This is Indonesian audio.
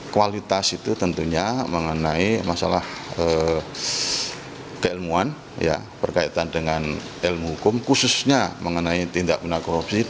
kualitas itu tentunya mengenai masalah keilmuan berkaitan dengan ilmu hukum khususnya mengenai tindak pindah korupsi